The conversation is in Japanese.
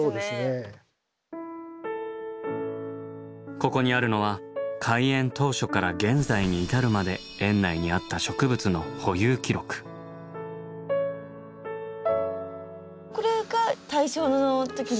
ここにあるのは開園当初から現在に至るまで園内にあったこれが大正の時の？